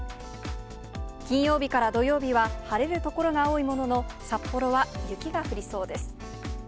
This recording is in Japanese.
金曜日から土曜日は晴れる所が多いものの、札幌は雪が降りそうです。